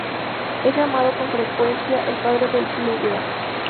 Es llamado con frecuencia el padre del bluegrass.